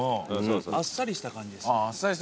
あっさりした感じです。